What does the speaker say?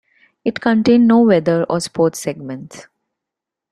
It contained no weather or sports segments.